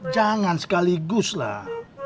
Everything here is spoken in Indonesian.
jangan sekaligus lah